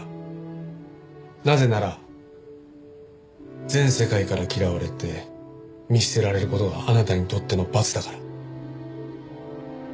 なぜなら全世界から嫌われて見捨てられる事があなたにとっての罰だから。